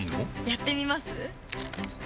やってみます？